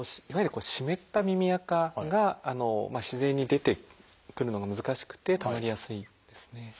いわゆる湿った耳あかが自然に出てくるのが難しくてたまりやすいんですね。